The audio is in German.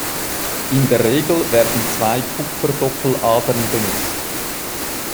In der Regel werden zwei Kupfer-Doppeladern benutzt.